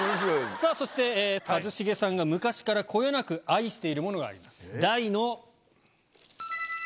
さぁそして一茂さんが昔からこよなく愛しているものがあります。